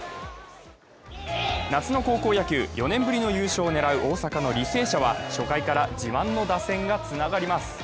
夏の高校野球、４年ぶりの優勝を狙う大阪の履正社は初回から自慢の打線がつながります。